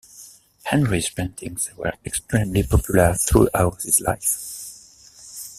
Henry's paintings were extremely popular throughout his life.